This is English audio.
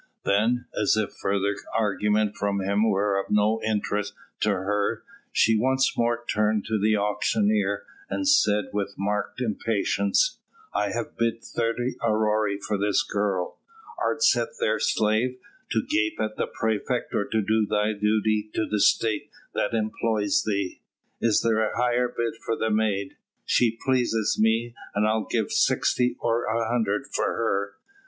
Then, as if further argument from him were of no interest to her, she once more turned to the auctioneer, and said with marked impatience: "I have bid thirty aurei for this girl; art set there slave, to gape at the praefect, or to do thy duty to the State that employs thee? Is there a higher bid for the maid? She pleaseth me, and I'll give sixty or an hundred for her.